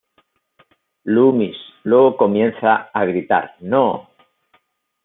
Loomis luego comienza a gritar, "¡No!